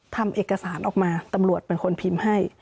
ทำเอกสารออกมาตำรวจเป็นคนพิมพ์ให้